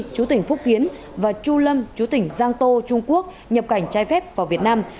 chú tỉnh phúc kiến và chu lâm chú tỉnh giang tô trung quốc nhập cảnh trái phép vào việt nam